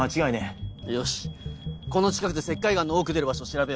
よしこの近くで石灰岩の多く出る場所を調べよう。